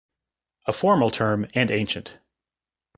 A formal term, and ancient.